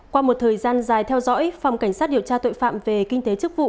qua một thời gian dài theo dõi phòng cảnh sát điều tra tội phạm về kinh tế chức vụ